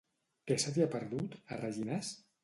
Què se t'hi ha perdut, a Rellinars?